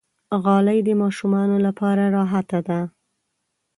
غالۍ د ماشومانو لپاره راحته ده.